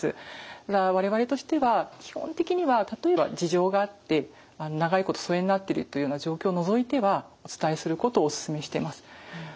ただ我々としては基本的には例えば事情があって長いこと疎遠になってるというような状況を除いてはお伝えすることをお勧めしてます。